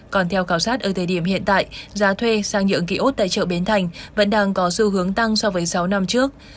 còn theo cảo sát ở thời điểm hiện tại giá thuê sang nhượng kiosk tại chợ bến thành vẫn đang có xu hướng tăng so với sáu năm trước